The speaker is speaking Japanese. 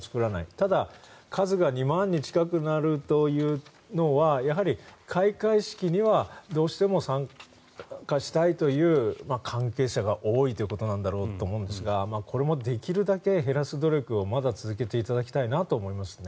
ただ、数が２万に近くなるというのはやはり開会式にはどうしても参加したいという関係者が多いということなんだろうと思うんですがこれもできるだけ減らす努力をまだ続けていただきたいなと思いますね。